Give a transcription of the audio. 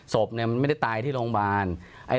ศพมันไม่ได้ตายที่โรงพยาบาล